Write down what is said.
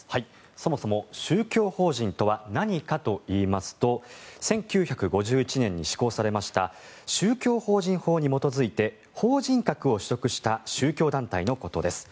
そもそも宗教法人とは何かといいますと１９５１年に施行されました宗教法人法に基づいて法人格を取得した宗教団体のことです。